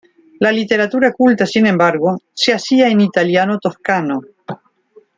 La literatura culta sin embargo, se hacía en italiano toscano.